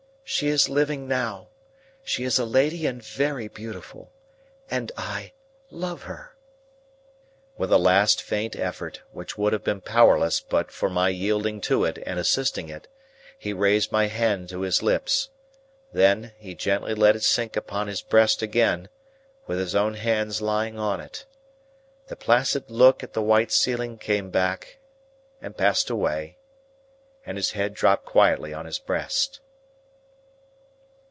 She is living now. She is a lady and very beautiful. And I love her!" With a last faint effort, which would have been powerless but for my yielding to it and assisting it, he raised my hand to his lips. Then, he gently let it sink upon his breast again, with his own hands lying on it. The placid look at the white ceiling came back, and passed away, and his head dropped quietly on his breast.